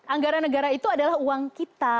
anggaran negara itu adalah uang kita